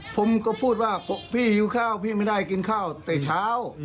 ผมก็พูดว่าพี่หิวข้าวพี่ไม่ได้กินข้าวแต่เช้า